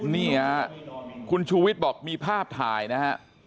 นี่ฮะคุณชูวิทย์บอกมีภาพถ่ายนะฮะ